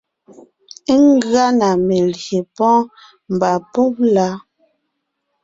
Ngʉa na melyè pɔ́ɔn mba pɔ́b la.